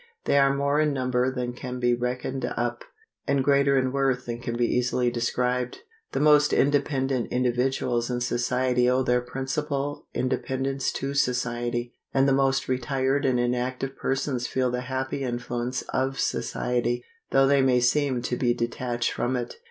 They are more in number than can be reckoned up, and greater in worth than can be easily described. The most independent individuals in society owe their principal independence to society, and the most retired and inactive persons feel the happy influence of society, though they may seem to be detached from it.